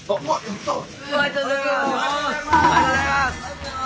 ありがとうございます！